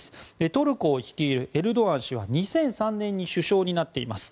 トルコを率いるエルドアン氏は２００３年に首相になっています。